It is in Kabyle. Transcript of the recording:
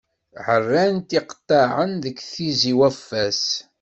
Ɛerran-t iqeṭṭaɛen deg Tizi-Waffas.